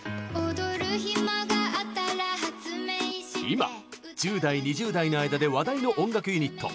今１０代、２０代の間で話題の音楽ユニット